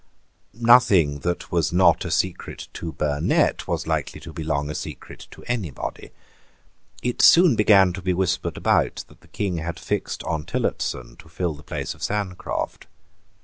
Nothing that was not a secret to Burnet was likely to be long a secret to any body. It soon began to be whispered about that the King had fixed on Tillotson to fill the place of Sancroft.